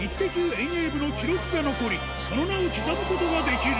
遠泳部の記録が残りその名を刻むことができる